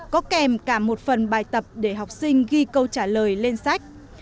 có kèm cả một phần bài tập để học sinh ghi câu trả lời lên sách